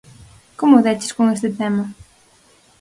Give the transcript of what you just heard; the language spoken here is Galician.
Como deches con este tema?